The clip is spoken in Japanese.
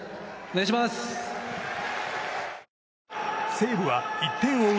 西武は１点を追う